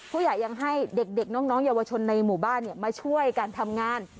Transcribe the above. ผู้หญัยยังให้เด็กเด็กน้องน้องเยาวชนในหมู่บ้านเนี่ยมาช่วยการทำงาน